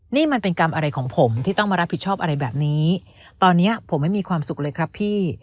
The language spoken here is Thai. นี่มันเป็นกรรมอะไรของผมที่ต้องมารับผิดชอบอะไรแบบนี้ตอนนี้ผมไม่มีความสุขเลยครับพี่